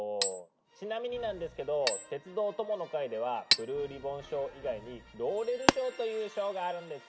ちなみになんですけど「鉄道友の会」ではブルーリボン賞以外に「ローレル賞」という賞があるんです。